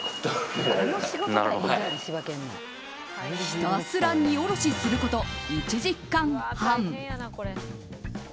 ひたすら荷下ろしすること１時間半。